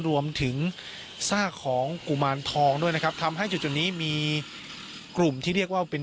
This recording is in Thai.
รวมถึงซากของกุมารทองด้วยนะครับทำให้จุดนี้มีกลุ่มที่เรียกว่าเป็น